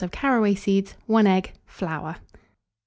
of caraway seeds, 1 egg; flour.